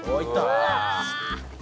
「うわ！」